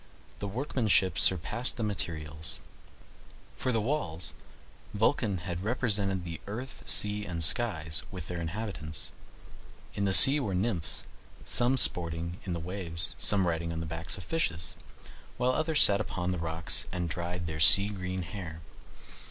The workmanship surpassed the material; [Footnote: See Proverbial Expressions.] for upon the walls Vulcan had represented earth, sea, and skies, with their inhabitants. In the sea were the nymphs, some sporting in the waves, some riding on the backs of fishes, while others sat upon the rocks and dried their sea green hair.